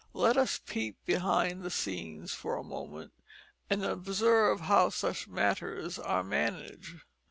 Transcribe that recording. Let us peep behind the scenes for a moment and observe how such matters are managed.